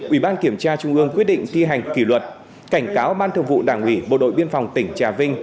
ủy ban kiểm tra trung ương quyết định thi hành kỷ luật cảnh cáo ban thường vụ đảng ủy bộ đội biên phòng tỉnh trà vinh